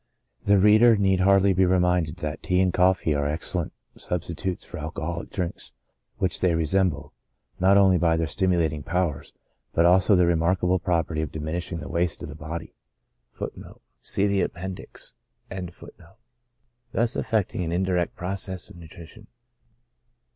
The reader need hardly be reminded that tea and coffee are excellent substitutes for alcoholic drinks, which they resemble, not only by their stimulating powers, but also by their remark able property of diminishing the waste of the body,* thus effecting an indirect process of nutrition.